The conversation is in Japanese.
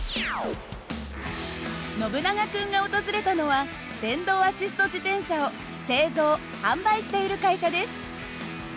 ノブナガ君が訪れたのは電動アシスト自転車を製造販売している会社です。